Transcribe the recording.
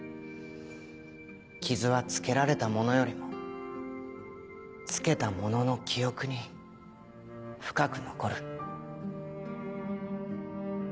傷はつけられた者よりもつけた者の記憶に深く残る。